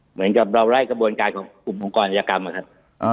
เหมือนกับเราไล่กระบวนการของกลุ่มองค์กรอายากรรมอะครับ